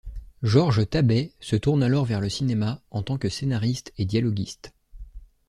Georges Tabet se tourne alors vers le cinéma en tant que scénariste et dialoguiste.